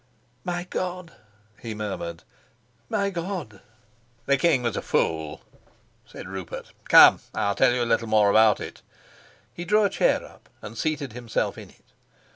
"My God!" he murmured: "my God!" "The king was a fool," said Rupert. "Come, I'll tell you a little more about it." He drew a chair up and seated himself in it.